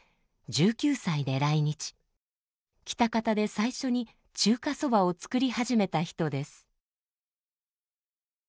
喜多方で最初に中華そばを作り始めた人です。